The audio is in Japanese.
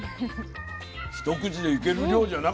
一口でいける量じゃなかった！